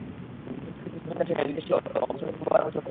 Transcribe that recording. বিদ্যুৎ ক্ষেত্রে সহযোগিতার বিষয় নিয়ে দুই দেশই বছরে অন্তত দুবার বৈঠক করে।